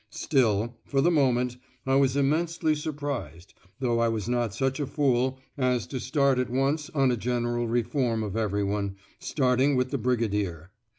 Still, for the moment, I was immensely surprised, though I was not such a fool as to start at once on a general reform of everyone, starting with the Brigadier.